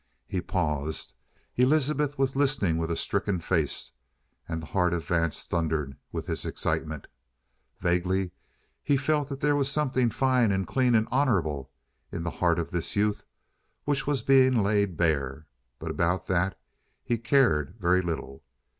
He paused. Elizabeth was listening with a stricken face, and the heart of Vance thundered with his excitement. Vaguely he felt that there was something fine and clean and honorable in the heart of this youth which was being laid bare; but about that he cared very little.